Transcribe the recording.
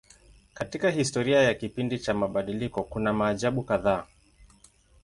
Katika historia ya kipindi cha mabadiliko kuna maajabu kadhaa.